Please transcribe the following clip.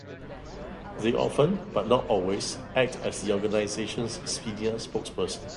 They often, but not always, act as the organization's senior spokesperson.